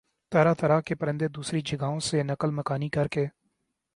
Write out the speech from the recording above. طرح طرح کے پرندے دوسری جگہوں سے نقل مکانی کرکے